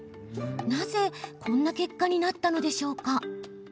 なぜ、こんな結果になったのでしょうか？